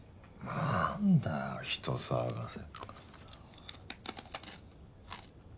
なんだよ人騒がせ。